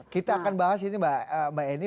kita akan bahas ini mbak eni